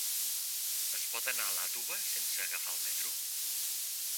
Es pot anar a Iàtova sense agafar el metro?